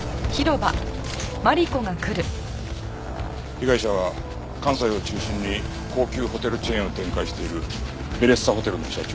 被害者は関西を中心に高級ホテルチェーンを展開しているベレッサホテルの社長